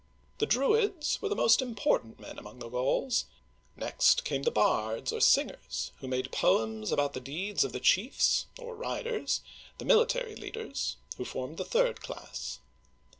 The Druids were the most important men among the Gauls ; next came the Bards, or singers, who made poems about the deeds of the chiefs, or riders, — the military leaders who formed the third class.